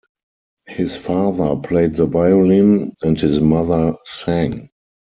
His father played the violin, and his mother sang.